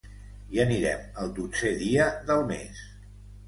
Hi anirem el dotzè dia del mes.